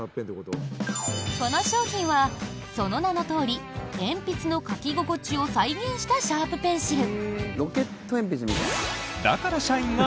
この商品は、その名のとおり鉛筆の書き心地を再現したシャープペンシル。